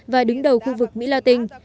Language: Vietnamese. và đứng đầu khu vực mỹ la tinh